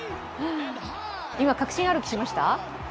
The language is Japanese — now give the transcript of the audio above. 今、確信ある気、しました？